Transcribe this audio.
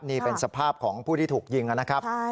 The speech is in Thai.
นี่เป็นสภาพของผู้ที่ถูกยิงนะครับ